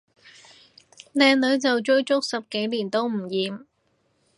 靚女就追足十幾年唔厭